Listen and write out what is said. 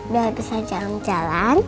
biar bisa jalan jalan